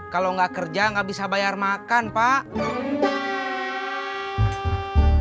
kalau gak kerja gak bisa bayar makan pak